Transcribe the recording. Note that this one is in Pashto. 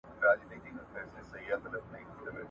مؤلدین د کرنې سکتور لویه برخه جوړوي.